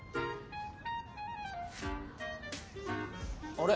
あれ？